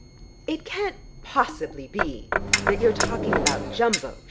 "It can't possibly be that you are talking about Jumbo?"